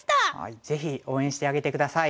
ぜひ応援してあげて下さい。